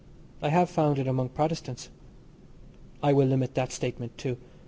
I have found it among Protestants. I will limit that statement, too.